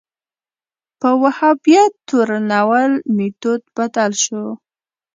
په وهابیت تورنول میتود بدل شو